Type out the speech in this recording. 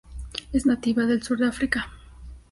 Es nativa del sur de África.